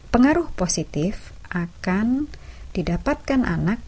pengaruh positif akan didapatkan anak